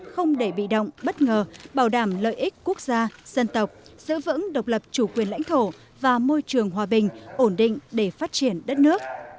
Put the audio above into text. không để bị động bất ngờ bảo đảm lợi ích quốc gia dân tộc giữ vững độc lập chủ quyền lãnh thổ và môi trường hòa bình ổn định để phát triển đất nước